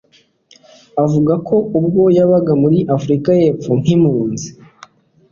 Avuga ko ubwo yabaga muri Afurika y'Epfo nk'impunzi,